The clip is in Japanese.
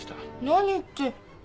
何って。